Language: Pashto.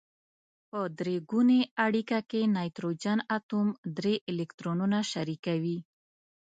په درې ګونې اړیکه کې نایتروجن اتوم درې الکترونونه شریکوي.